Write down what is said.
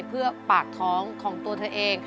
เพื่อปากท้องของตัวเธอเอง